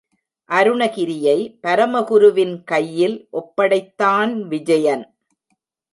அருணகிரியை பரமகுருவின் கையில் ஒப்படைத்தான் விஜயன்.